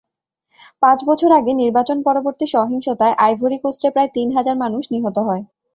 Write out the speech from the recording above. পাঁচ বছর আগে নির্বাচন-পরবর্তী সহিংসতায় আইভরি কোস্টে প্রায় তিন হাজার মানুষ নিহত হয়।